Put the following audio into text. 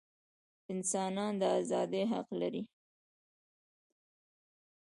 انسانان د ازادۍ حق لري.